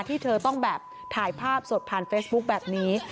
ที่เธอต้องแบบถ่ายภาพสดผ่านเฟซบุ๊คแบบนี้